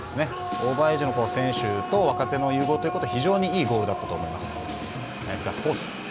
オーバーエイジの選手と若手の融合ということで非常にいいゴールだったと思います。